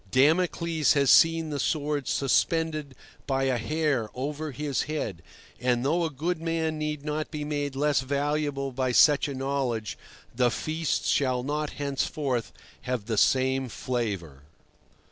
Damocles has seen the sword suspended by a hair over his head, and though a good man need not be made less valuable by such a knowledge, the feast shall not henceforth have the same flavour.